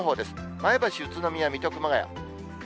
前橋、宇都宮、水戸、熊谷。